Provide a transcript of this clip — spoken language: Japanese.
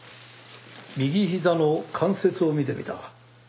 右膝の関節を見てみた。